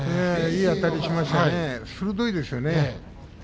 いいあたりをしましたね鋭いですよね。